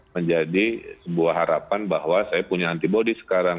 menjadi sebuah harapan bahwa saya punya antibody sekarang